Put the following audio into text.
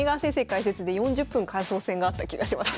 解説で４０分感想戦があった気がします。